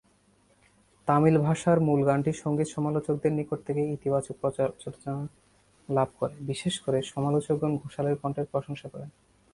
তামিল ভাষার মূল গানটি সঙ্গীত সমালোচকদের নিকট থেকে ইতিবাচক পর্যালোচনা লাভ করে, বিশেষ করে সমালোচকগণ ঘোষালের কণ্ঠের প্রশংসা করেন।